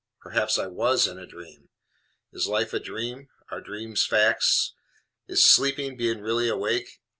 Perhaps I WAS in a dream. Is life a dream? Are dreams facts? Is sleeping being really awake?